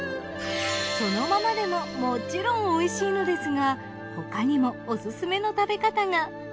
そのままでももちろんおいしいのですが他にもおすすめの食べ方が。